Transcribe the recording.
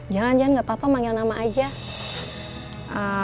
jangan jangan gak apa apa panggil nama aja